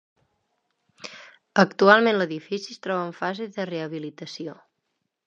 Actualment l'edifici es troba en fase de rehabilitació.